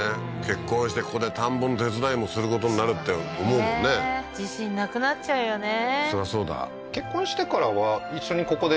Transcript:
結婚してここで田んぼの手伝いもすることになるって思うもんね自信なくなっちゃうよね